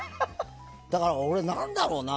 だから俺、何だろうな。